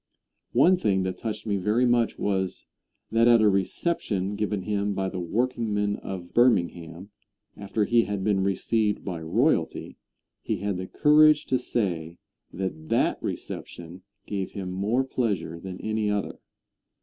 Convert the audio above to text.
One thing that touched me very much was, that at a reception given him by the workingmen of Birmingham, after he had been received by royalty, he had the courage to say that that reception gave him more pleasure than any other.